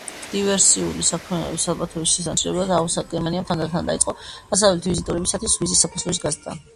დივერსიული საქმიანობების ალბათობის შესამცირებლად, აღმოსავლეთ გერმანიამ თანდათან დაიწყო დასავლელი ვიზიტორებისთვის ვიზის საფასურის გაზრდა.